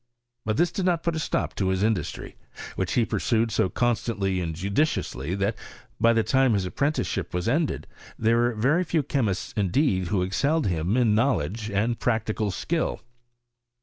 But tliis did noC put a stop to his industry, which he pursued so constantly and judiciously, that, by the time his ap prenticeship was ended, there were very few ehe 55 mists indeed who excelled him in knowledge and practical skill.